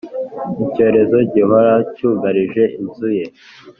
icyorezo gihora cyugarije inzu ye.